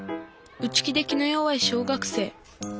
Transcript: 内気で気の弱い小学生。